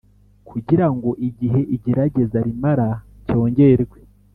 Kugira ngo igihe igerageza rimara cyongerwe